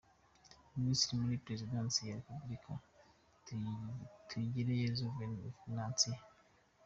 Minisitiri muri Perezidansi ya Repubulika: Tugireyezu Venantia.